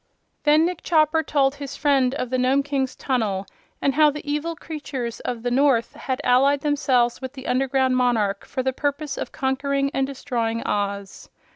Then Nick Chopper told his friend of the Nome King's tunnel, and how the evil creatures of the North had allied themselves with the underground monarch for the purpose of conquering and destroying Oz.